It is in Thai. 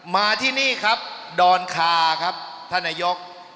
มาที่นี่ครับดอนคาครับท่านนายก